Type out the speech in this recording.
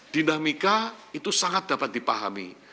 dinamika itu sangat dapat dipahami